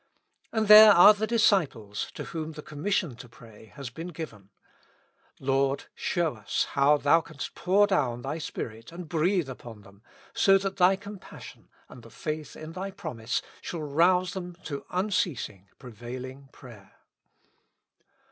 And there are the disciples, to whom the commission to pray has been given : Lord, show us how Thou canst pour down Thy Spirit and breathe upon them, so that Thy compassion and the faith in Thy promise shall rouse them to unceas ing, prevailing prayer.